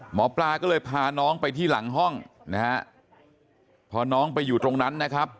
หมอปลาก็เลยพาน้องไปที่หลังห้องนะครับ